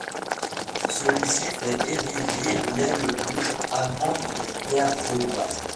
Celui-ci fait ériger l’aile gauche, amende les terres, reboise.